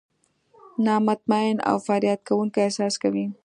نا مطمئن او فریاد کوونکي احساس کوي.